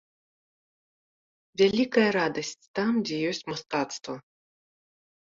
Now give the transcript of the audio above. Вялікая радасць там, дзе ёсць мастацтва.